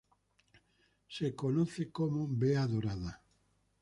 Se conoce como "bea dorada".